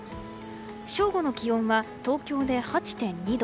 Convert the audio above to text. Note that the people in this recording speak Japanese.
正午の気温は東京で８．２度。